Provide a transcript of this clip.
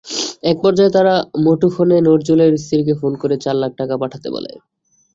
একপর্যায়ে তারা মুঠোফোনে নজরুলের স্ত্রীকে ফোন করে চার লাখ টাকা পাঠাতে বলে।